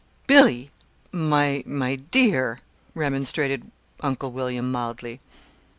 "Billy, my my dear," remonstrated Uncle William, mildly.